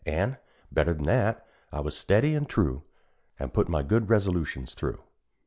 An', better than that, I was steady an' true, An' put my good resolutions through.